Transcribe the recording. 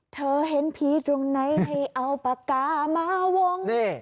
เธอเห็นผีตรงไหนให้เอาปากกามาวง